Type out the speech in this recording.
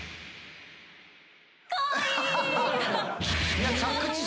かわいい！